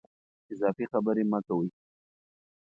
اضافي خبرې مه کوئ.